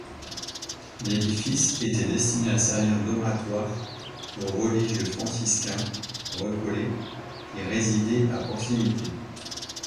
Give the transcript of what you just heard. L'édifice était destiné à servir d'oratoire aux religieux franciscains récollets qui résidaient à proximité.